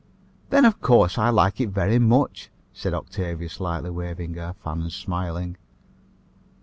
"Then, of course, I like it very much," said Octavia, slightly waving her fan and smiling.